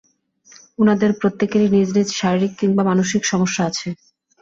ওনাদের প্রত্যেকেরই নিজ নিজ শারীরিক কিংবা মানসিক সমস্যা আছে।